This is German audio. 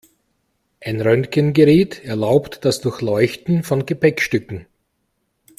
Ein Röntgengerät erlaubt das Durchleuchten von Gepäckstücken.